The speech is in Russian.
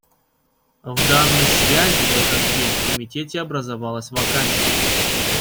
В данной связи в этот день в Комитете образовалась вакансия.